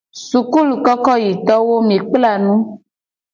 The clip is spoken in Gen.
Sukulukokoyitowo mi kpla nu.